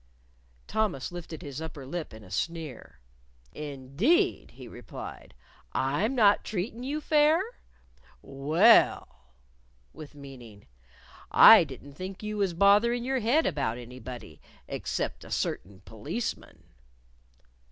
Thomas lifted his upper lip in a sneer. "Indeed!" he replied. "I'm not treatin' you fair? Well," (with meaning) "I didn't think you was botherin' your head about anybody except a certain policeman."